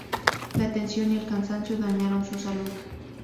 La tensión y el cansancio dañaron su salud.